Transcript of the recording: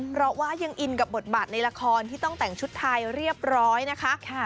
เพราะว่ายังอินกับบทบาทในละครที่ต้องแต่งชุดไทยเรียบร้อยนะคะ